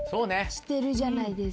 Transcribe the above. してるじゃないですか。